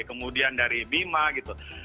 kemudian dari bima gitu